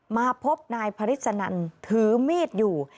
มาพบนายพระฤษนันถือมีดอยู่